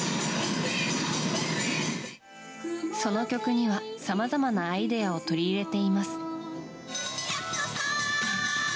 その曲にはさまざまなアイデアを取り入れています。